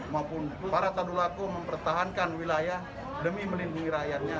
maupun para tadulaku mempertahankan wilayah demi melindungi rakyatnya